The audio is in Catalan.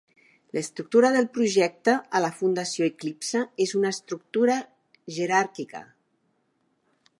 L'estructura del projecte a la Fundació Eclipse és una estructura jeràrquica.